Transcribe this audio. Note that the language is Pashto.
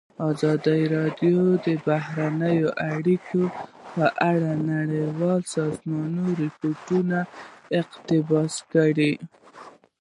ازادي راډیو د بهرنۍ اړیکې په اړه د نړیوالو سازمانونو راپورونه اقتباس کړي.